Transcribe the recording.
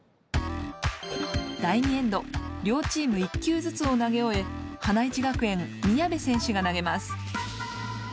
両チーム１球ずつを投げ終え花一学園宮部選手が投げます。